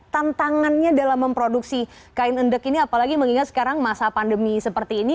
tantangannya dalam memproduksi kain endek ini apalagi mengingat sekarang masa pandemi seperti ini